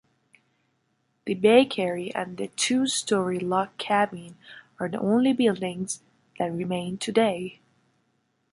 The bakery and the two-story log cabin are the only buildings that remain today.